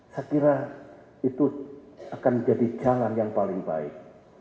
saya kira itu akan menjadi jalan yang paling baik